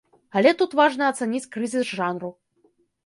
Але тут важна ацаніць крызіс жанру.